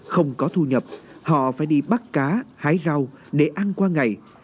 không có thu nhập họ phải đi bắt cá hái rau để ăn qua ngày